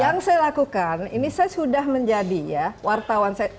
yang saya lakukan ini saya sudah menjadi ya wartawan